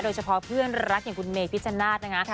โดยเฉพาะเพื่อนรักอย่างคุณเมย์พิจารณาชนะ